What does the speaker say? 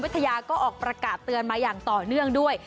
ทยาก็ออกประกาศเตือนมาอย่างต่อเนื่องด้วย